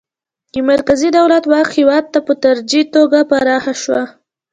د مرکزي دولت واک هیواد ته په تدریجي توګه پراخه شو.